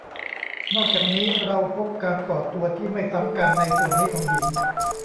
นอกจากนี้เราพบการก่อตัวที่ไม่ซ้ำกันในส่วนนี้ของหิน